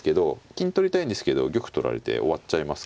金取りたいんですけど玉取られて終わっちゃいますから。